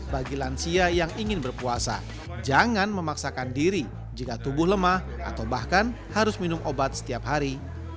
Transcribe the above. bagi lansia yang ingin berpuasa jangan memaksakan diri jika tubuh lemah atau bahkan harus minum obat setiap hari